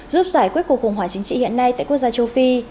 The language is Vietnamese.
giúp giải quyết cuộc khủng hoảng chính trị hiện nay tại quốc gia châu phi